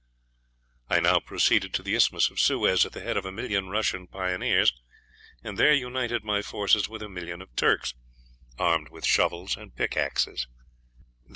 I now proceeded to the Isthmus of Suez, at the head of a million of Russian pioneers, and there united my forces with a million of Turks, armed with shovels and pickaxes.